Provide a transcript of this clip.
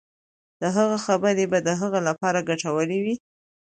د هغه خبرې به د هغه لپاره ګټورې وي.